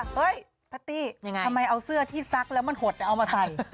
เฮ้ยแพตตี้ทำไมเอาเสื้อที่ซักแล้วมันหดเอามาใส่